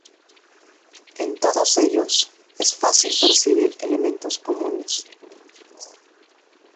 En todos ellos, es fácil percibir elementos comunes.